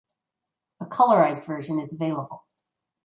A colorized version is available.